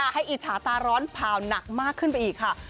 อิจฉาตาร้อนผ่าหนักมากขึ้นไปอีกค่ะ